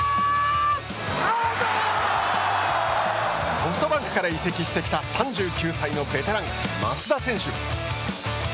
ソフトバンクから移籍してきた３９歳のベテラン、松田選手。